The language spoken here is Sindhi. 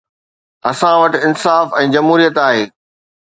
اسان وٽ انصاف ۽ جمهوريت آهي.